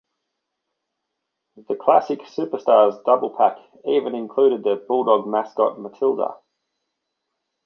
The Classic Superstars double pack even included their bulldog mascot, Matilda.